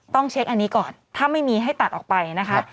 ต้องเช็คอันนี้ก่อนถ้าไม่มีให้ตัดออกไปนะคะ